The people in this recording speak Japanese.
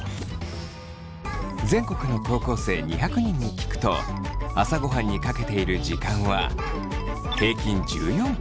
全国の高校生２００人に聞くと朝ごはんにかけている時間は平均１４分。